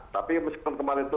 tapi kemarin itu